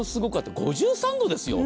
５３度ですよ。